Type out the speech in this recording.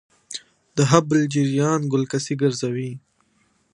د هبل جریان ګلکسي ګرځوي.